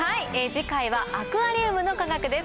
次回はアクアリウムの科学です。